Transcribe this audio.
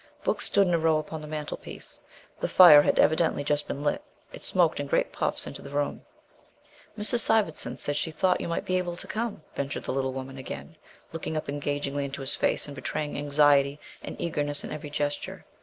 Books stood in a row upon the mantelpiece. The fire had evidently just been lit. It smoked in great puffs into the room. "Mrs. Sivendson said she thought you might be able to come," ventured the little woman again, looking up engagingly into his face and betraying anxiety and eagerness in every gesture.